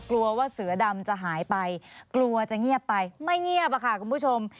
กลัวว่าเสือดำจะหายไปกลัวจะเงียบไปไม่เงียบอะค่ะคุณผู้ชม